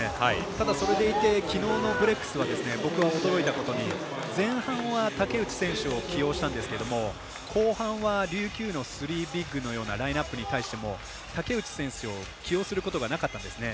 ただ、それでいて、きのうのブレックスは、僕は驚いたことに前半は竹内選手を起用したんですけど後半は琉球のスリービッグのようなラインナップに対しても竹内選手を起用することがなかったんですね。